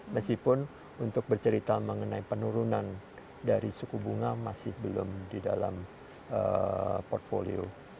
meskipun untuk bercerita mengenai penurunan dari suku bunga masih belum di dalam portfolio